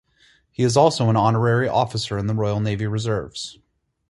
He is also an Honorary Officer in the Royal Navy Reserves.